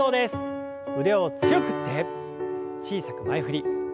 腕を強く振って小さく前振り。